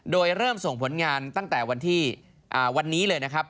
โดยเริ่มส่งผลงานตั้งแต่วันที่วันนี้เลยนะครับ